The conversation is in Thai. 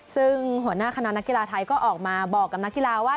ซึ่งหัวหน้าคณะนักกีฬาไทยก็ออกมาบอกกับนักกีฬาว่า